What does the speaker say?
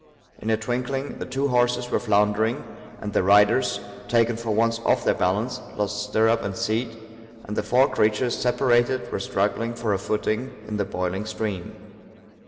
In a twinkling the two horses were floundering, and the riders, taken for once off their balance, lost stirrup and seat, and the four creatures, separated, were struggling for a footing in the boiling stream.